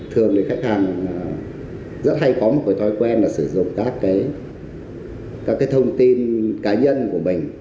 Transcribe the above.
thường thì khách hàng rất hay có một cái thói quen là sử dụng các cái thông tin cá nhân của mình